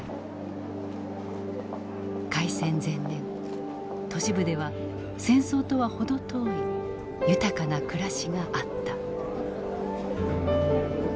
開戦前年都市部では戦争とは程遠い豊かな暮らしがあった。